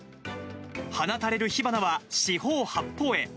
放たれる火花は四方八方へ。